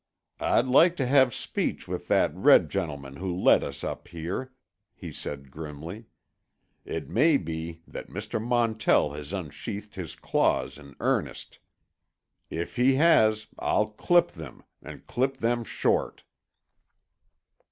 "I'd like to have speech with that red gentleman who led us up here," he said grimly. "It may be that Mr. Montell has unsheathed his claws in earnest. If he has, I'll clip them, and clip them short."